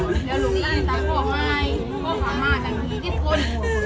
เมื่อ